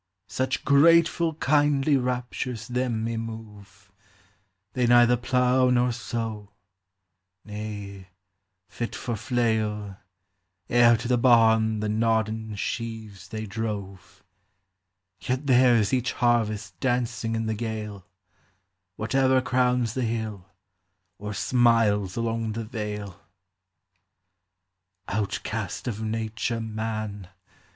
Such grateful kindly raptures them emove: MYTHICAL: LEGENDARY. 119 They neither plough nor sow ; ne, fit for flail, E'er to the barn the nodclen sheaves they drove : Yet theirs each harvest dancing in the gale, Whatever crowns the hill, or smiles along the vale. « Outcast of nature, man